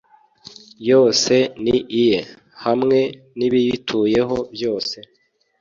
yose ni iye, hamwe n'ibiyituyeho byose